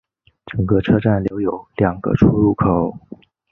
整个车站留有两个出入口。